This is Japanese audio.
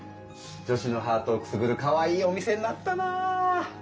女子のハートをくすぐるかわいいお店になったなぁ。